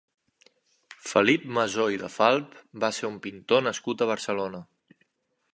Felip Masó i de Falp va ser un pintor nascut a Barcelona.